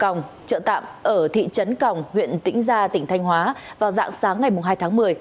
phòng chợ tạm ở thị trấn còng huyện tĩnh gia tỉnh thanh hóa vào dạng sáng ngày hai tháng một mươi